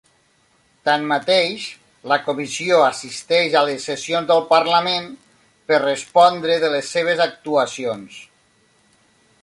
Tanmateix, la comissió assisteix a les sessions del parlament per respondre de les seves actuacions.